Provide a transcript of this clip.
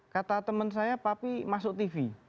kata teman saya papi masuk tv